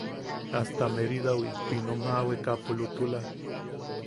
Hasta Meridawi, pinom jaʼawekaʼapo, lutula.